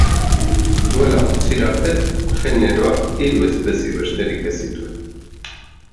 Duela gutxira arte, generoak hiru espezie besterik ez zituen.